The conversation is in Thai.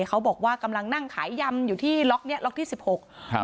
เขาบอกว่ากำลังนั่งขายยำอยู่ที่ล็อกเนี้ยล็อกที่สิบหกครับ